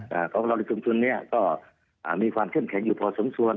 อ่าของเราในชุมชนเนี้ยก็อ่ามีความเข้มแข็งอยู่พอสมควร